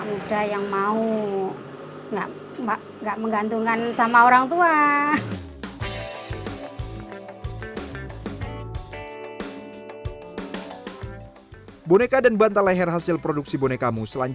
iya anak mahasiswa juga lah